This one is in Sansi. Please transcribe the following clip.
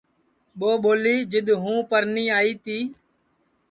ٻو ٻولی جِدؔ ہوں پرنی آئی تی